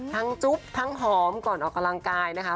จุ๊บทั้งหอมก่อนออกกำลังกายนะคะ